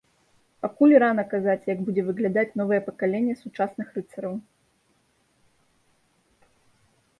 Пакуль рана казаць, як будзе выглядаць новае пакаленне сучасных рыцараў.